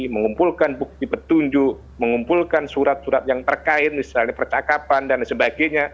mengumpulkan bukti petunjuk mengumpulkan surat surat yang terkait misalnya percakapan dan sebagainya